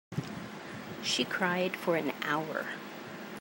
She cried for an hour.